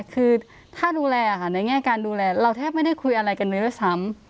คือถ้าดูแลในแง่การดูแลเราแทบไม่ได้คุยอะไรกันเลยด้วยซ้ำ